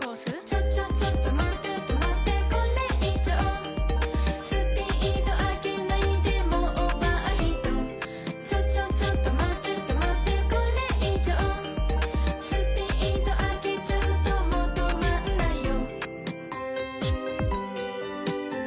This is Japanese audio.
ちょちょちょっとまって止まってこれ以上スピード上げないでもうオーバーヒートちょちょちょっとまって止まってこれ以上スピード上げちゃうともう止まんないよ